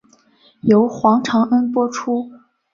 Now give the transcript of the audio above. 由黄承恩播出。